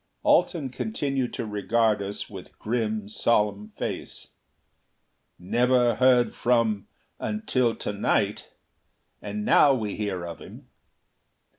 Alten continued to regard us with grim, solemn face. "Never heard from until to night. And now we hear of him.